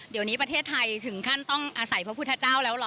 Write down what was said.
เดี๋ยวนี้ประเทศไทยถึงขั้นต้องอาศัยพระพุทธเจ้าแล้วเหรอ